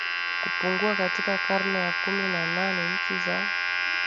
kupungua Katika karne ya kumi na nane nchi za